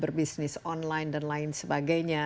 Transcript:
berbisnis online dan lain sebagainya